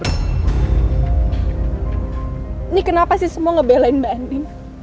ini kenapa sih semua ngebelain mbak andi